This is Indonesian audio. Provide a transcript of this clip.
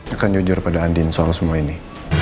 akan jujur pada andin soal semua ini